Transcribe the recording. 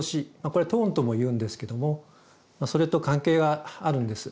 これはトーンともいうんですけどもそれと関係があるんです。